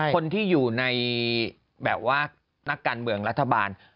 คนที่อยู่ในแบบว่านักการเมืองรัฐบาล